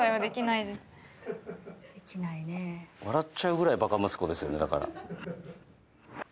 笑っちゃうぐらいバカ息子ですよねだから。